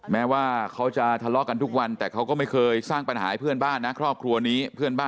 แม้ว่าเขาจะทะเลาะกันทุกวันแต่เขาก็ไม่เคยสร้างปัญหาให้เพื่อนบ้านนะครอบครัวนี้เพื่อนบ้าน